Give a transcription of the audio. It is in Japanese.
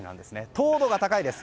糖度が高いです。